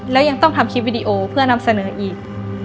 แล้วยังต้องทำคลิปวิดีโอเพื่อนำเสนออีก